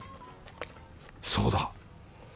そうだ！